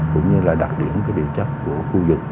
cũng như là đặc điểm cái địa chất của khu vực